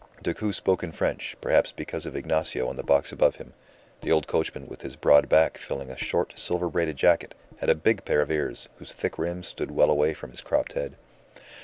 Decoud spoke in French, perhaps because of Ignacio on the box above him; the old coachman, with his broad back filling a short, silver braided jacket, had a big pair of ears, whose thick rims stood well away from his cropped head.